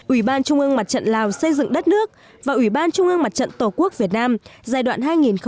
ủy ban trung ương mặt trận lào xây dựng đất nước và ủy ban trung ương mặt trận tổ quốc việt nam giai đoạn hai nghìn một mươi bốn hai nghìn hai mươi bốn